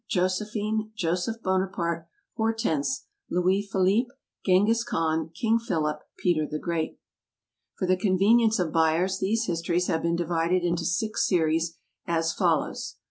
Josephine. Joseph Bonaparte. Hortense. Louis Philippe. Genghis Khan. King Philip. Peter the Great. For the convenience of buyers, these Histories have been divided into Six Series, as follows: I.